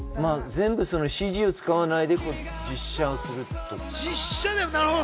全部ＣＧを使わないで実写をするとか？